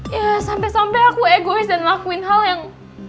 ya sampe sampe aku egois dan ngelakuin hal yang